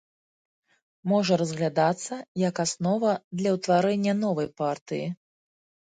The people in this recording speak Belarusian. Можа разглядацца як аснова для ўтварэння новай партыі.